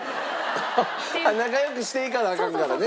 仲良くしていかなアカンからね。